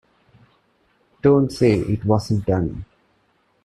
Don't say it wasn't done!